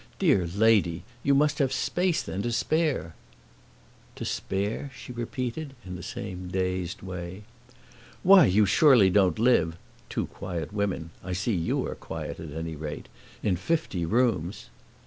"Dear lady, you must have space then to spare!" "To spare?" she repeated, in the same dazed way. "Why, you surely don't live (two quiet women I see YOU are quiet, at any rate) in fifty rooms!"